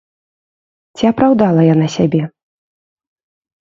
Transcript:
Ці апраўдала яна сябе?